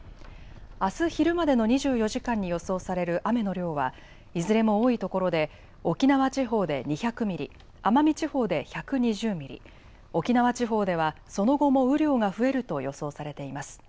あす昼までの２４時間に予想される雨の量はいずれも多いところで沖縄地方で２００ミリ、奄美地方で１２０ミリ、沖縄地方ではその後も雨量が増えると予想されています。